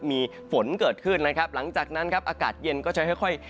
มีฝนเกิดขึ้นนะครับหลังจากนั้นครับอากาศเย็นก็จะค่อยค่อย